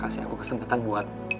kasih aku kesempatan buat